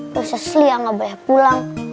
udah sesliah gak boleh pulang